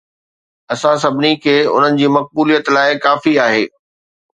اسان سڀني کي انهن جي مقبوليت لاء ڪافي آهي